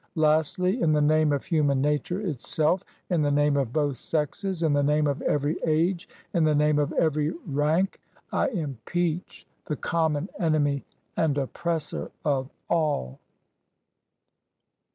Lastly, in the name of human nature itself, in the name of both sexes, in the name of every age, in the name of every rank, I impeach the common enemy and oppressor of all."